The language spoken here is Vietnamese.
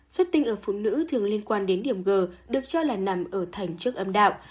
chất tinh ở phụ nữ thường liên quan đến điểm g được cho là nằm ở thành trước âm đạo